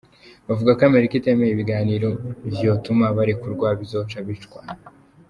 Bavuga ko Amerika itemeye ibiganiro vyotuma barekurwa, bazoca bicwa.